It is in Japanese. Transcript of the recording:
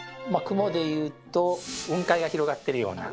雲で言うと雲海が広がってるような